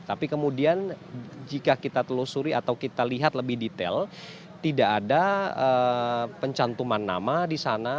tapi kemudian jika kita telusuri atau kita lihat lebih detail tidak ada pencantuman nama di sana